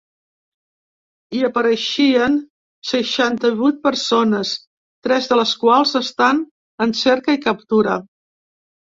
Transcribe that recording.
Hi apareixien seixanta-vuit persones, tres de les quals estan en cerca i captura.